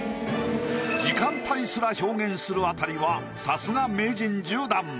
時間帯すら表現するあたりはさすが名人１０段。